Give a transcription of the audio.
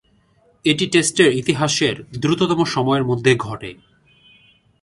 এটি টেস্টের ইতিহাসের দ্রুততম সময়ের মধ্যে ঘটে।